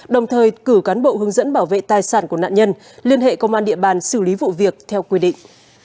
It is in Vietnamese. đồng thời cử cán bộ hướng dẫn bảo vệ tài sản của nạn nhân liên hệ công an địa bàn xử lý vụ việc theo quy định